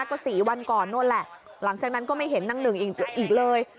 ก็๔วันก่อนนู่นแหละหลังจากนั้นก็ไม่เห็นนางหนึ่งอีกเลย